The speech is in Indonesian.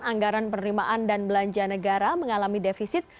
anggaran penerimaan dan belanja negara mengalami defisit